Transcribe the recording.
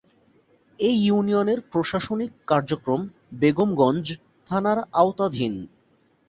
এ ইউনিয়নের প্রশাসনিক কার্যক্রম বেগমগঞ্জ থানার আওতাধীন।